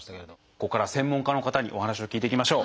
ここからは専門家の方にお話を聞いていきましょう。